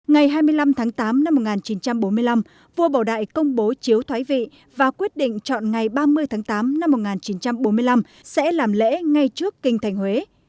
ngày hai mươi năm tháng tám năm một nghìn chín trăm bốn mươi năm vua bảo đại công bố chiếu thoái vị và quyết định chọn ngày ba mươi tháng tám năm một nghìn chín trăm bốn mươi năm sẽ làm lễ ngay trước kinh thành huế